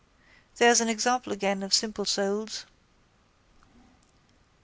There's an example again of simple souls.